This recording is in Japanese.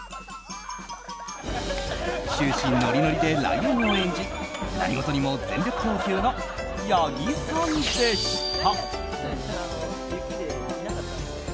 終始ノリノリでライオンを演じ何事にも全力投球の八木さんでした。